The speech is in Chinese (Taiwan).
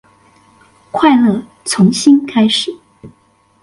快樂從心開始